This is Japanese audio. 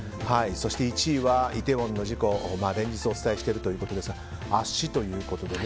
そして１位はイテウォンの事故連日お伝えしているんですが圧死ということで。